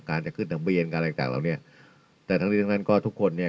การจะขึ้นทะเบียนการอะไรต่างเหล่านี้แต่ทั้งนี้ทั้งนั้นก็ทุกคนเนี่ย